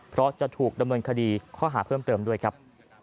เพราะจะถูกดำเนินคดีข้อหาเพิ่มเติมด้วยครับ